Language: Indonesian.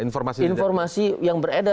informasi yang beredar di internal